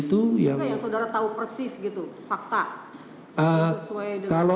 itu yang saudara tahu persis gitu fakta sesuai dengan